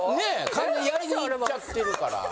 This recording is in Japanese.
完全にやりにいっちゃってるから。